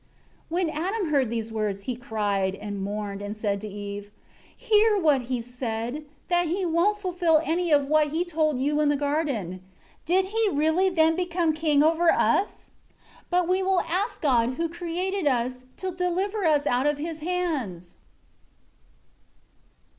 11 When Adam heard these words he cried and mourned, and said to Eve, "Hear what he said; that he won't fulfil any of what he told you in the garden. Did he really then become king over us? 12 But we will ask God, who created us, to deliver us out of his hands."